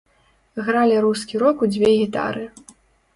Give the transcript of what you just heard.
Гралі рускі рок у дзве гітары.